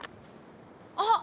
あっ！